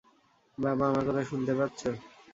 বাবা, আমার কথা শুনতে পাচ্ছো?